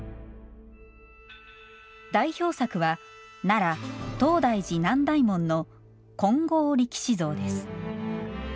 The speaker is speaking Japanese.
代表作は、奈良・東大寺南大門の金剛力士像です。